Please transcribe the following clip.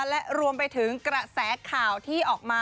และรวมไปถึงกระแสข่าวที่ออกมา